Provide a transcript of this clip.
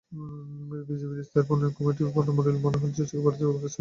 বিজেপির ইশতেহার প্রণয়ন কমিটির প্রধান মুরলি মনোহর যোশীকে বাড়তি পরিশ্রমটুকু করতেই হয়েছে।